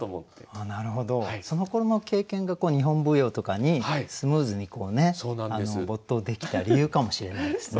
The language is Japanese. なるほどそのころの経験が日本舞踊とかにスムーズに没頭できた理由かもしれないですね。